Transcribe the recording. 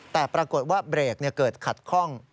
แต่ปรากฏว่าเบรกเกิดขัดข้อง